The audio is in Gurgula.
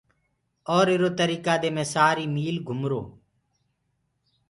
اور اِرو تريڪآ دي مي سآري ميٚل گُمرو۔